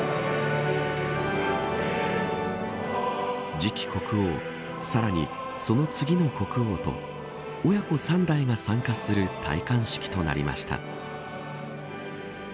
次期国王さらに、その次の国王と親子３代が参加する戴冠式となりました。